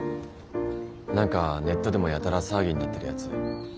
何かネットでもやたら騒ぎになってるやつ。